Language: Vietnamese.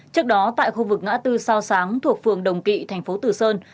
trước đó tại khu vực ngã tư sao sáng thuộc phường đồng kỵ thành phố tử sơn